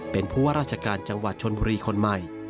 เป็นผู้ว่าราชการจังหวัดชนบุรีคนใหม่